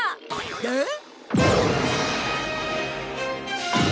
えっ！？